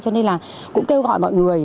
cho nên là cũng kêu gọi mọi người